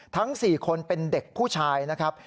ทั้ง๔คนเป็นเด็กผู้ชายนะครับ